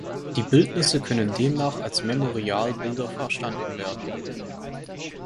Die Bildnisse können demnach als Memorialbilder verstanden werden.